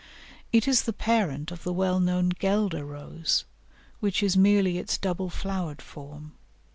It is the parent of the well known Guelder Rose, which is merely its double flowered form.